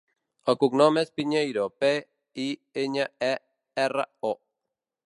El cognom és Piñero: pe, i, enya, e, erra, o.